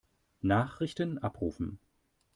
Nachrichten abrufen.